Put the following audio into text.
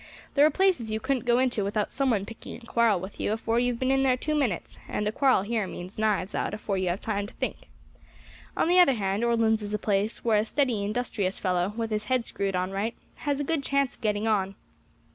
"There are places you couldn't go into without some one picking a quarrel with you afore you have been in there two minutes, and a quarrel here means knives out afore you have time to think. On the other hand, Orleans is a place where a steady industrious fellow, with his head screwed on right, has a good chance of getting on.